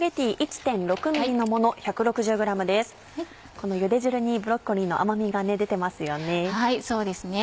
このゆで汁にブロッコリーの甘みが出てますよね。